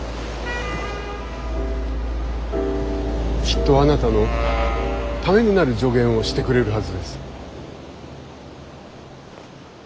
きっとあなたのためになる助言をしてくれるはずです。